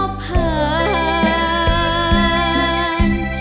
มีพบเพิ่ม